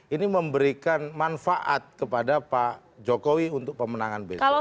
ini memberikan manfaat kepada pak jokowi untuk pemenangan besok